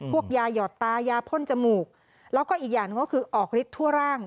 พวกยาหยอดตายาพ่นจมูกแล้วก็อีกอย่างก็คือออกฤทธิทั่วร่าง